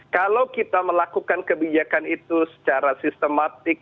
kalau kita melakukan kebijakan itu secara sistematik